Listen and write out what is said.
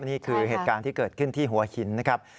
นี่คือเหตุการณ์ที่เกิดขึ้นที่หัวหินนะครับ